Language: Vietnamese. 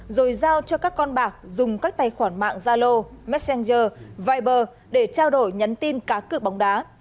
rồi giao cho các con bạc dùng các tài khoản mạng zalo messenger viber để trao đổi nhắn tin cá cược bóng đá